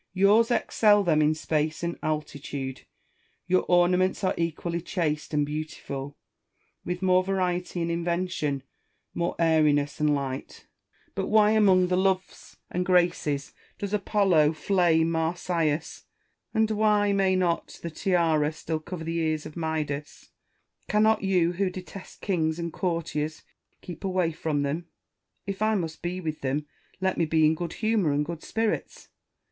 Yours excel them in space and altitude ; your ornaments are equally chaste and beautiful, with more variety and invention, more airiness and light. But why, ROUSSEAU AND MALESHERBES. 253 among the Loves and Graces, does Apollo flay Marsyas %— and why may not the tiara still cover the ears of Midas % Cannot you, who detest kings and courtiers, keep away from them ? If I must be with them, let me be in good humour and good spirits.